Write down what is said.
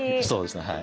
そうですね。